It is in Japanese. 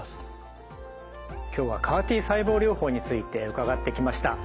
今日はＣＡＲ−Ｔ細胞療法について伺ってきました。